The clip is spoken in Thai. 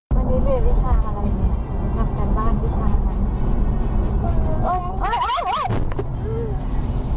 มันนี่เป็นวิชาอะไรนับกันบ้านวิชาไหม